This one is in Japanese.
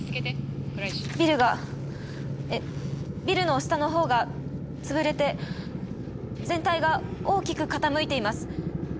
ビルがビルの下の方が潰れて全体が大きく傾いています。